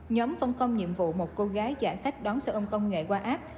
nhóm phân công nhiệm vụ một cô gái giả khách đón xe ôm công nghệ qua áp